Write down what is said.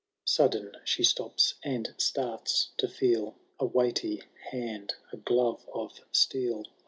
Sudden ihe stops— and starts to feel A weighty hand, a glove of steel.